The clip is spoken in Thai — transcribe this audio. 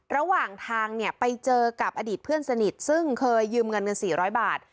ระหว่างทางเนี่ยไปเจอกับอดีตเพื่อนสนิทซึ่งเคยยืมเงินเงิน๔๐๐บาท